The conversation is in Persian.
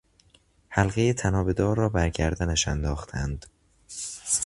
حلقهی طنابدار را بر گردنش انداختند.